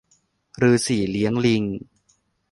ฤๅษีเลี้ยงลิง